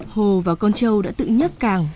hồ và con trâu đã tự nhức càng